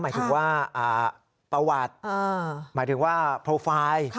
หมายถึงว่าประวัติหมายถึงว่าโปรไฟล์